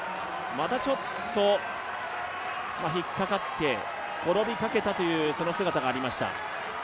またちょっと引っ掛かって、転びかけた姿がありました。